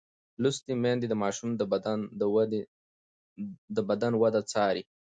لوستې میندې د ماشوم د بدن د وده څاري.